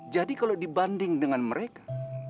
jadi kalau dibanding dengan mereka